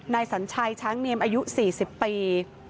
สัญชัยช้างเนียมอายุ๔๐ปี